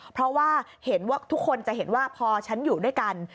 เพราะว่าเห็นว่าทุกคนจะเห็นว่าพอฉันอยู่ด้วยกัน